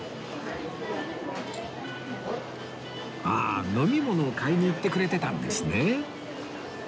ああ飲み物を買いに行ってくれてたんですね